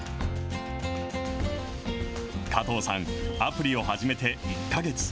加藤さん、アプリを始めて１か月。